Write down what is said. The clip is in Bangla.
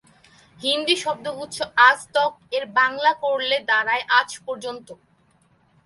হিন্দি শব্দগুচ্ছ "আজ তক"- এর বাংলা করলে দাঁড়ায় "আজ পর্যন্ত"।